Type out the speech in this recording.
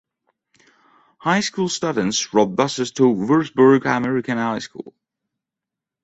High School students rode buses to Wurzburg American High School.